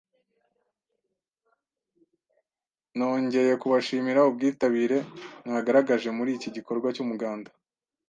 Nongeye kubashimira ubwitabire mwagaragaje muri iki gikorwa cy’umuganda